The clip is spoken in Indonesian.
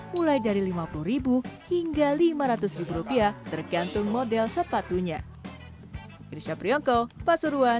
mulai dari rp lima puluh hingga lima ratus rupiah tergantung model sepatunya